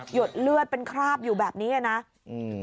ดเลือดเป็นคราบอยู่แบบนี้อ่ะนะอืม